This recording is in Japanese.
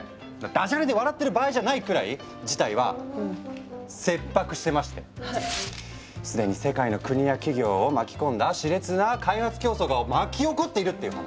ダジャレで笑ってる場合じゃないくらい事態は切迫してましてすでに世界の国や企業を巻き込んだしれつな開発競争が巻き起こっているっていう話。